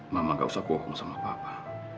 mama gak usah bohong sama papa